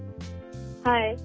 はい。